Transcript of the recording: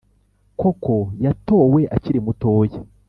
Koko yatowe akiri mutoya